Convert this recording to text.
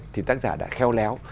thì tác giả đã kheo léo